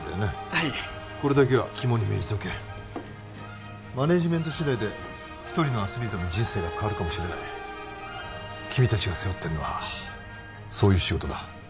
はいこれだけは肝に銘じておけマネージメント次第で１人のアスリートの人生が変わるかもしれない君達が背負ってるのはそういう仕事だ